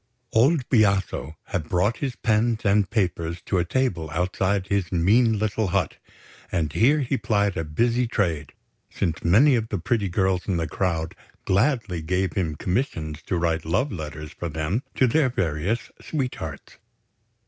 Old Biaso had brought his pens and paper to a table outside his mean little hut; and here he plied a busy trade, since many of the pretty girls in the crowd gladly gave him commissions to write love letters for them to their various sweethearts.